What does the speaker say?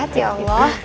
mustahil ya ya allah